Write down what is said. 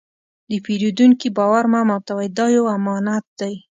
د پیرودونکي باور مه ماتوئ، دا یو امانت دی.